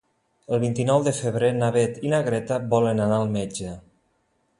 El vint-i-nou de febrer na Beth i na Greta volen anar al metge.